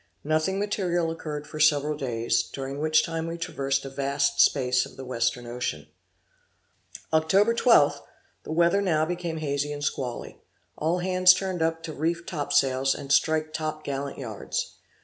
Nothing material occurred for several days, during which time we traversed a vast space of the Western Ocean. Oct. 12th, the weather now became hazy and squally; all hands turned up to reef top sails, and strike top gallant yards.